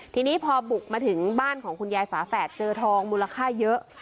ทีนี้พอบุกมาถึงบ้านของคุณยายฝาแฝดเจอทองมูลค่าเยอะ